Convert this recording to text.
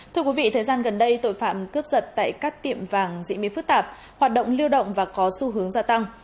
thưa quý vị thời gian gần đây tội phạm cướp giật tại các tiệm vàng diễn biến phức tạp hoạt động lưu động và có xu hướng gia tăng